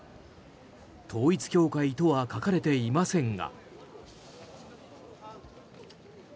統一教会とは書かれていませんが。